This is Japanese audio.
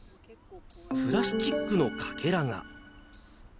プラスチックのかけらが。